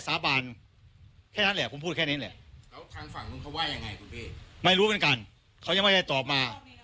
สาบานแหละผมพูดแค่นี้แหละ